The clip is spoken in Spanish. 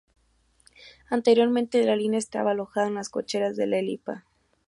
Anteriormente, la línea estaba alojada en las cocheras de La Elipa.